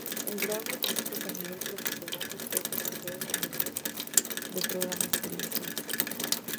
Grabó discos a nivel profesional y fue presentador y animador de programas de televisión.